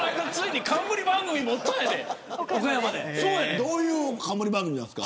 どういう冠番組なんですか。